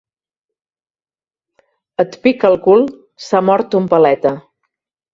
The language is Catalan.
Et pica el cul, s'ha mort un paleta.